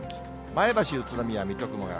前橋、宇都宮、水戸、熊谷。